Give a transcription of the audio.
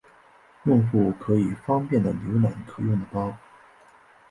用户可以方便的浏览可用的包。